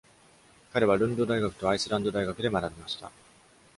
彼はルンド大学とアイスランド大学で学びました。